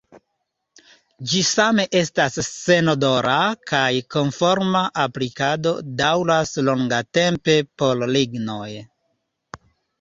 Ĝi same estas senodora kaj konforma aplikado daŭras longatempe por lignoj.